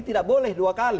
tidak boleh dua kali